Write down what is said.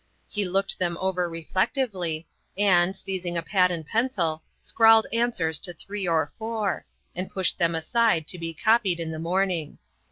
He looked them over reflectively, and, seizing a pad and pencil, scrawled answers to three or four, and pushed them aside to be copied in the morning.